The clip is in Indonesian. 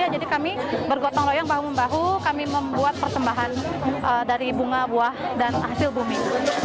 jadi kami bergotong royong bahu bahu kami membuat persembahan dari bunga buah dan hasil bumi